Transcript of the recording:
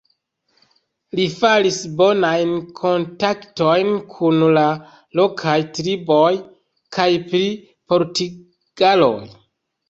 Li faris bonajn kontaktojn kun la lokaj triboj kaj pri portugaloj.